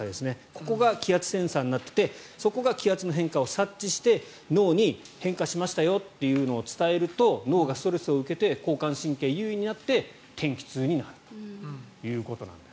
ここが気圧センサーになっていてそこが気圧の変化を察知して脳に変化しましたよというのを伝えると脳がストレスを受けて交感神経が優位になって天気痛になるということなんです。